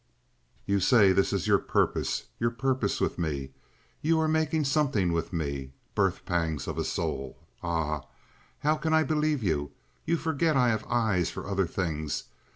"You say this is your purpose—your purpose with me. You are making something with me—birth pangs of a soul. Ah! How can I believe you? You forget I have eyes for other things.